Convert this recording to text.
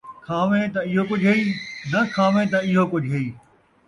کھاویں تاں ایہو کجھ ہئی ، ناں کھاویں تاں ایہو کجھ ہئی